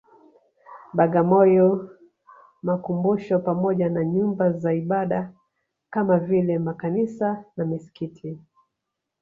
Bagamoyo makumbusho pamoja na Nyumba za Ibada kama vile Makanisa na Misikiti